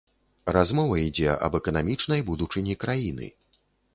Размова ідзе аб эканамічнай будучыні краіны.